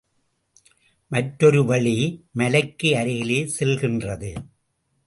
மற்றொரு வழி, மலைக்கு அருகிலே செல்லுகின்றது.